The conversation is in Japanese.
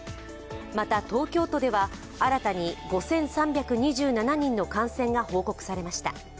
また東京都では、新たに５３２７人の感染が報告されました。